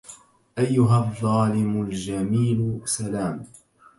أيها الظالم الجميل سلام